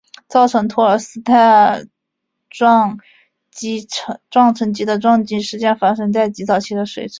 造成托尔斯泰撞击坑的撞击事件发生在极早期的水星。